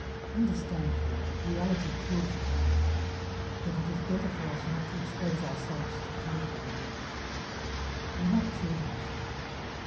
Understand, then, that reality kills a dream; that it is better for us not to expose ourselves to fearful regrets. We are not children, you see.